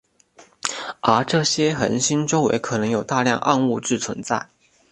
而这些恒星周围可能有大量暗物质存在。